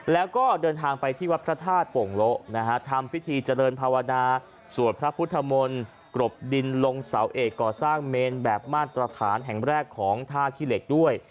แล้วก็เดินทางไปที่วัดพระธาตุโป่งโละนะฮะทำพิธีเจริญภาวนาสวดพระพุทธมนต์กรบดินลงเสาเอกก่อสร้างเมนแบบมาตรฐานแห่งแรกของท่าขี้เหล็กด้วย